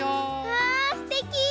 わすてき！